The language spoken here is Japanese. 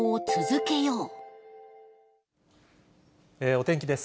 お天気です。